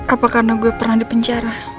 apa karena gue pernah dipenjara